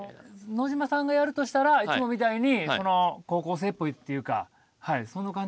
野島さんがやるとしたらいつもみたいに高校生っぽいというかはいその感じで。